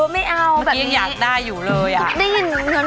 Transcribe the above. แม่บ้านประจันบัน